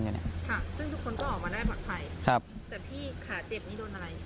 แต่ที่ขาเจ็บนี้โดนอะไร